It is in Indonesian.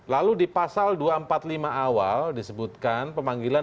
lalu di pasal dua ratus empat puluh lima awal disebutkan pemanggilan